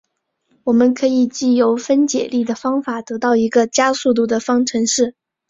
我们可以藉由分解力的方法得到一个加速度的方程式。